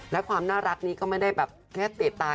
และความน่ารักนี้ก็ไม่ได้แบบแค่เตะตาย